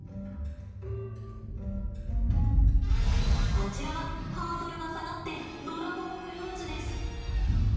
こちらはハードルが下がってドラゴンフルーツです。